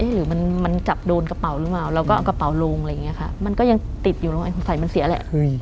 หรือมันจับโดนกระเป๋าหรือเปล่าเราก็เอากระเป๋าลงอะไรอย่างนี้ค่ะมันก็ยังติดอยู่ตรงนั้นสงสัยมันเสียแหละ